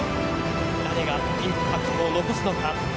誰がインパクトを残すのか。